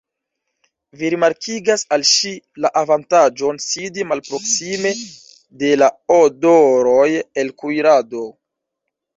Vi rimarkigas al ŝi la avantaĝon sidi malproksime de la odoroj el kuirado.